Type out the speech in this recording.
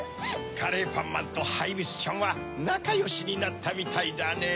カレーパンマンとハイビスちゃんはなかよしになったみたいだねぇ。